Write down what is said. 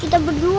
kamu yang salah